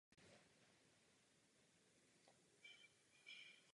Během druhé světové války zámek využívala německá armáda.